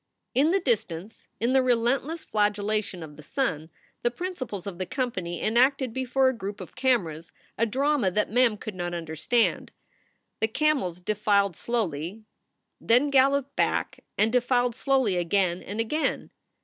In the distance, in the relentless flagellation of the sun, the principals of the company enacted before a group of cameras a drama that Mem could not understand. The camels defiled slowly, then galloped back and defiled slowly again and again.